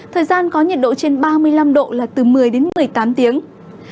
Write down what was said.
thời gian có nhiệt độ trên ba mươi năm độ là từ một mươi đến một mươi năm độ